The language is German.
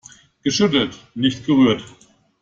Geschüttelt, nicht gerührt!